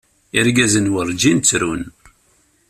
Irgazen werjin ttrun.